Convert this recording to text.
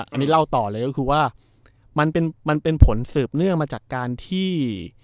อันนี้เล่าต่อเลยก็คือว่ามันเป็นผลสืบเนื่องมาจากการที่